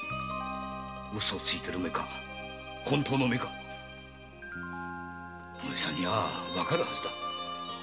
ウソをついてる目か本当の目かお前さんにはわかるはずだ。